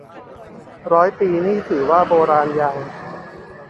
ร้อยปีนี่ถือว่าโบราณยัง